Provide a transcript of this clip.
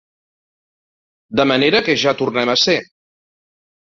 De manera que ja tornem a ser